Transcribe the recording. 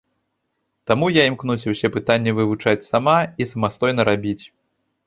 Таму я імкнуся ўсе пытанні вывучаць сама і самастойна рабіць.